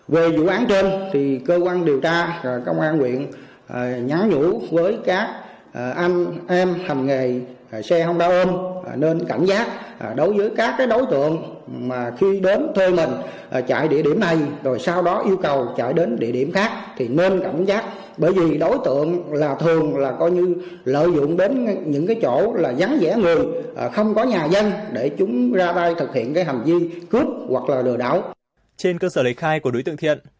về vụ án trên cơ quan điều tra công an huyện nhắn nhũ với các anh em